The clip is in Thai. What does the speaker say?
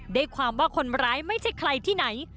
ได้ความว่าคนร้ายไม่ใช่ใครที่ไหน